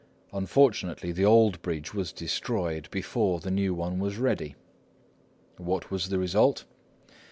Unfortunately, the old bridge was destroyed before the new one was ready. What was the result?